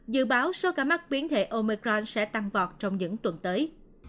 dự báo số ca mắc biến thể omecron sẽ tăng vọt trong những tuần tới